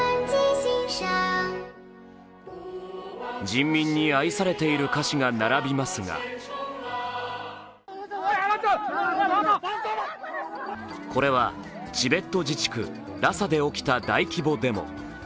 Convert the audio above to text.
人民に愛されている歌詞が並びますがこれはチベット自治区・ラサで起きた大規模デモ。